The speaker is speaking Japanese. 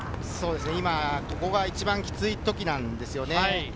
そうですね、今、ここが一番きついときなんですよね。